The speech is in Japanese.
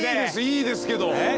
いいですけど。